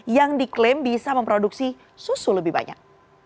yang diklaim bisa memproduksi susu lebih banyak